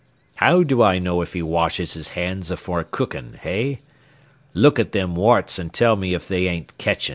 How do I know if he washes his hands afore cookin', hey? Look at them warts an' tell me if they ain't ketchin'.